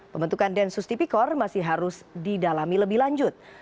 pembentukan densus tipikor masih harus didalami lebih lanjut